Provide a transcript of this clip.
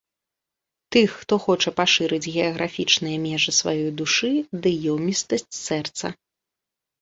Тых, хто хоча пашырыць геаграфічныя межы сваёй душы ды ёмістасць сэрца.